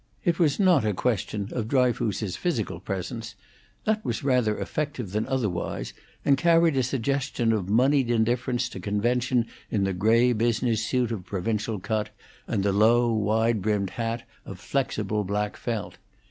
It was not a question of Dryfoos's physical presence: that was rather effective than otherwise, and carried a suggestion of moneyed indifference to convention in the gray business suit of provincial cut, and the low, wide brimmed hat of flexible black felt.